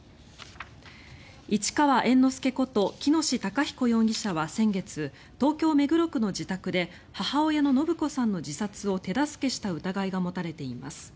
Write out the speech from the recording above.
市川猿之助こと喜熨斗孝彦容疑者は先月東京・目黒区の自宅で母親の延子さんの自殺を手助けした疑いが持たれています。